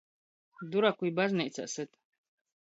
Duraku i bazneicā syt.